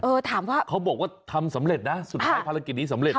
ถามว่าเขาบอกว่าทำสำเร็จนะสุดท้ายภารกิจนี้สำเร็จ